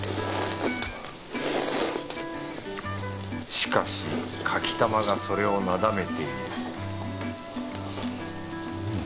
しかしかき玉がそれをなだめている